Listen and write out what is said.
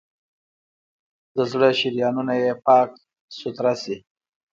د زړه شریانونه یې پاک سوتره شي.